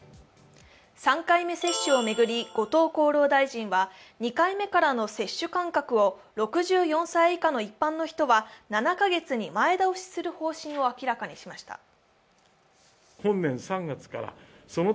３回目接種を巡り、後藤厚労大臣は２回目からの接種間隔を６４歳以下の一般の人は７カ月に前倒しする方針を明らかにしました。